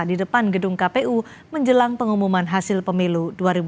di depan gedung kpu menjelang pengumuman hasil pemilu dua ribu dua puluh